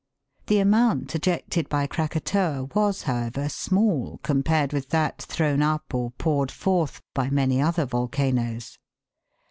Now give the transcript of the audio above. The amount ejected by Krakatoa was, however, small compared with that thrown up or poured forth by many other volcanoes.